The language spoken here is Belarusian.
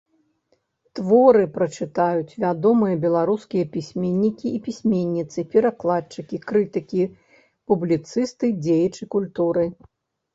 Творы прачытаюць вядомыя беларускія пісьменнікі і пісьменніцы, перакладчыкі, крытыкі, публіцысты, дзеячы культуры.